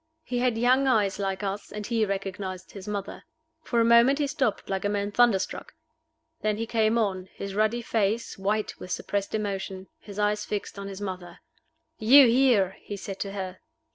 He had young eyes like us, and he recognized his mother. For a moment he stopped like a man thunderstruck. Then he came on his ruddy face white with suppressed emotion, his eyes fixed on his mother. "You here!" he said to her.